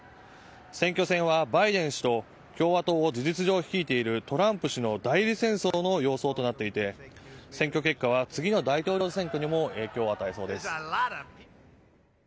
選挙戦はバイデン氏と共和党を事実上率いているトランプ氏の代理戦争の様相となっていて選挙結果は次の大統領選挙にも影響を与えそうです。